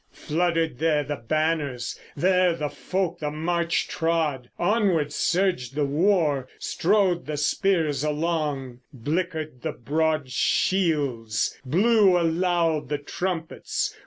Fluttered there the banners, there the folk the march trod. Onwards surged the war, strode the spears along, Blickered the broad shields; blew aloud the trumpets....